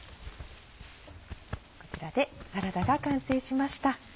こちらでサラダが完成しました。